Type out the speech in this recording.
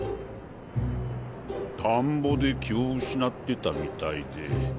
田んぼで気を失ってたみたいで。